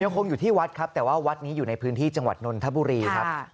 คงอยู่ที่วัดครับแต่ว่าวัดนี้อยู่ในพื้นที่จังหวัดนนทบุรีครับ